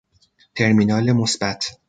ترمینال مثبت